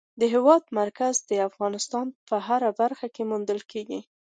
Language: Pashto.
د هېواد مرکز د افغانستان په هره برخه کې موندل کېږي.